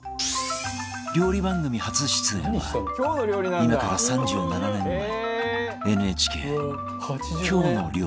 料理番組初出演は今から３７年前 ＮＨＫ『きょうの料理』